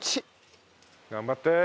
頑張って！